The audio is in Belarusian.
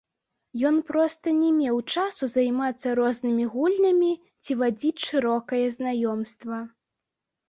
Ён проста не меў часу займацца рознымі гульнямі ці вадзіць шырокае знаёмства.